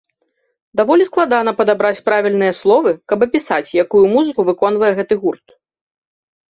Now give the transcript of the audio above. Даволі складана падабраць правільныя словы, каб апісаць, якую музыку выконвае гэты гурт.